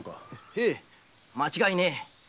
へい間違いねえ。